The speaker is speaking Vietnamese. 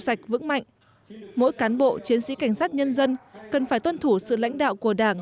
sạch vững mạnh mỗi cán bộ chiến sĩ cảnh sát nhân dân cần phải tuân thủ sự lãnh đạo của đảng